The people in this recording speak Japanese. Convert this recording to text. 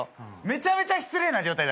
めちゃめちゃ失礼な状態